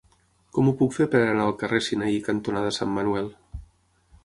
Com ho puc fer per anar al carrer Sinaí cantonada Sant Manuel?